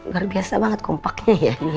luar biasa banget kompaknya ya